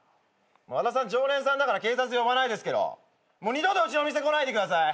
和田さん常連さんだから警察呼ばないですけどもう二度とうちの店来ないでください。